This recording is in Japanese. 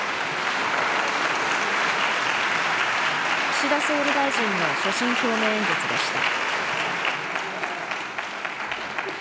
岸田総理大臣の所信表明演説でした。